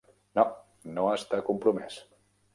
No, no està compromès.